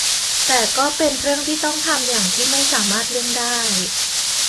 แต่ก็เป็นเรื่องที่ต้องทำอย่างที่ไม่สามารถเลี่ยงได้